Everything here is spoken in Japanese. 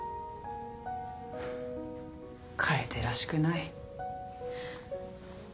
楓らしくない。